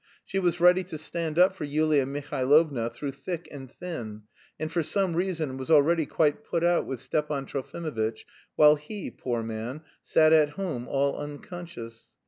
She was ready to stand up for Yulia Mihailovna through thick and thin, and for some reason was already quite put out with Stepan Trofimovitch, while he, poor man, sat at home, all unconscious.